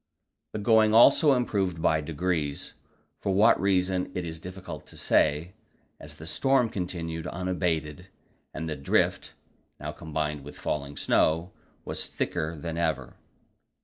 The going also improved by degrees, for what reason it is difficult to say, as the storm continued unabated, and the drift now combined with falling snow was thicker than ever.